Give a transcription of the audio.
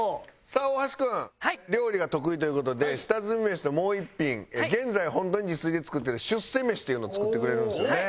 さあ大橋君料理が得意という事で下積みメシのもう一品現在本当に自炊で作っている出世メシというのを作ってくれるんですよね。